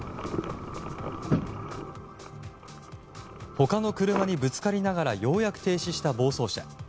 他の車にぶつかりながらようやく停止した暴走車。